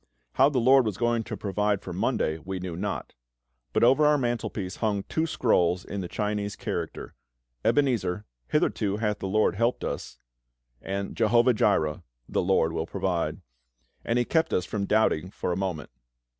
How the LORD was going to provide for Monday we knew not; but over our mantelpiece hung two scrolls in the Chinese character Ebenezer, "Hitherto hath the LORD helped us"; and Jehovah Jireh, "The LORD will provide" and He kept us from doubting for a moment.